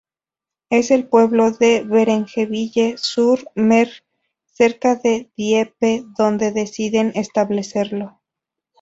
Es en el pueblo de Varengeville-sur-Mer, cerca de Dieppe, donde deciden establecerlo.